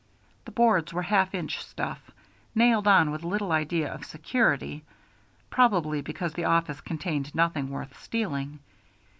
The boards were half inch stuff, nailed on with little idea of security, probably because the office contained nothing worth stealing.